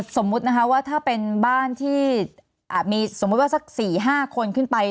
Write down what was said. สมมุตินะคะว่าถ้าเป็นบ้านที่มีสมมุติว่าสัก๔๕คนขึ้นไป